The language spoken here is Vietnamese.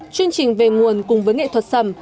chương trình về nguồn cùng với nghệ thuật sầm